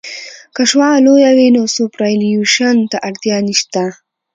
که شعاع لویه وي نو سوپرایلیویشن ته اړتیا نشته